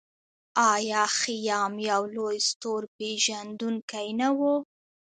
آیا خیام یو لوی ستورپیژندونکی نه و؟